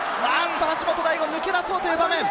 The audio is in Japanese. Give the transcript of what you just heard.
橋本大吾、抜け出そうという場面。